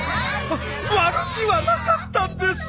わ悪気はなかったんです。